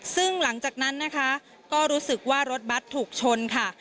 ซึ่งหลังจากนั้นนะคะก็รู้สึกว่ารถบัตรถูกชนค่ะ